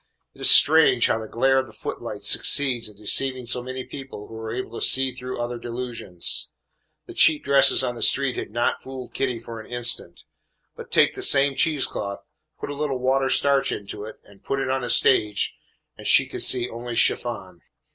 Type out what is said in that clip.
It is strange how the glare of the footlights succeeds in deceiving so many people who are able to see through other delusions. The cheap dresses on the street had not fooled Kitty for an instant, but take the same cheese cloth, put a little water starch into it, and put it on the stage, and she could see only chiffon.